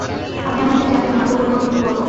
আমি আমাদের জাতির ভাগ্য পরিবর্তন করব।